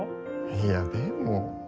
いやでも。